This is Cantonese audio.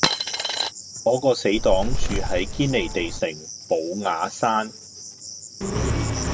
我個死黨住喺堅尼地城寶雅山